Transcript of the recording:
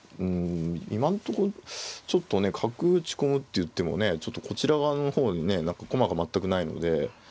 今のところちょっとね角打ち込むっていってもねちょっとこちら側の方にね駒が全くないので。